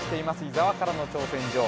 伊沢からの挑戦状